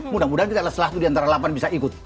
mudah mudahan kita selah satu diantara delapan bisa ikut